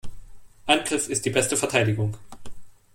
Angriff ist die beste Verteidigung.